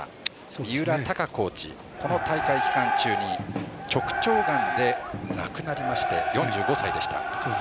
三浦貴コーチこの大会期間中に直腸がんで亡くなりまして４５歳でした。